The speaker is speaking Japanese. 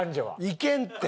いけんって！